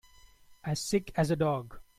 As sick as a dog.